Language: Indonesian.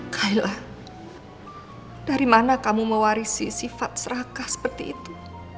kayla dari mana kamu mewarisi sifat serakah seperti itu